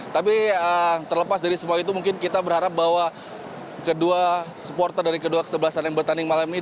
tapi terlepas dari semua itu mungkin kita berharap bahwa kedua supporter dari kedua kesebelasan yang bertanding malam ini